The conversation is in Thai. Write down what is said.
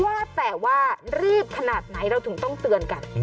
ว่าแต่ว่ารีบขนาดไหนเราถึงต้องเตือนกัน